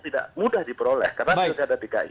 tidak mudah diperoleh karena pilkada dki